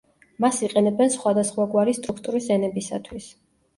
მას იყენებენ სხვადასხვაგვარი სტრუქტურის ენებისათვის.